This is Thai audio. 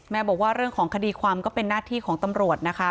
บอกว่าเรื่องของคดีความก็เป็นหน้าที่ของตำรวจนะคะ